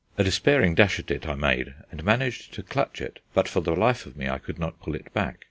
A despairing dash at it I made, and managed to clutch it; but for the life of me I could not pull it back.